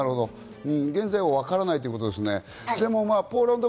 現在はわからないということですね。